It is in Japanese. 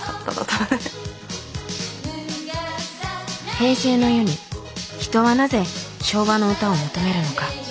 平成の世に人はなぜ昭和の歌を求めるのか。